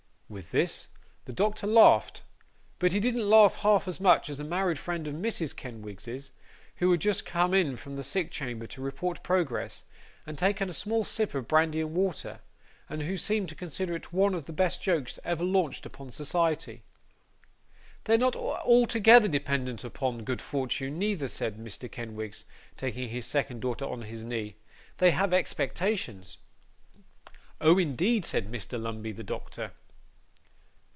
With this, the doctor laughed; but he didn't laugh half as much as a married friend of Mrs. Kenwigs's, who had just come in from the sick chamber to report progress, and take a small sip of brandy and water: and who seemed to consider it one of the best jokes ever launched upon society. 'They're not altogether dependent upon good fortune, neither,' said Mr. Kenwigs, taking his second daughter on his knee; 'they have expectations.' 'Oh, indeed!' said Mr. Lumbey, the doctor.